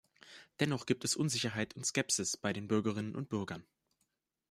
Dennoch gibt es Unsicherheit und Skepsis bei den Bürgerinnen und Bürgern.